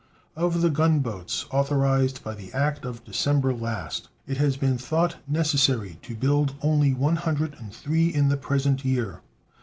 Of the gun boats authorized by the act of December last, it has been thought necessary to build only one hundred and three in the present year.